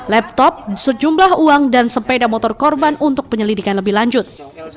laptop sejumlah uang dan sepeda motor korban untuk penyelidikan lebih lanjut